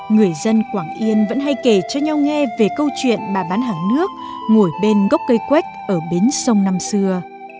người dân quảng yên vẫn hay kể cho nhau nghe về câu chuyện bà bán hàng nước ngồi bên gốc cây quách ở bến sông năm xưa